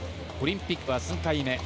オリンピックは３回目。